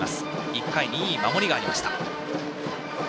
１回にいい守りがありました。